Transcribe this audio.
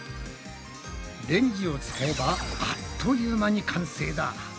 レンジを使えばあっという間に完成だ！